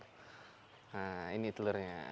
nah ini telurnya